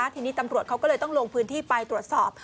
ทีนี้ตำรวจเขาก็เลยต้องลงพื้นที่ไปตรวจสอบ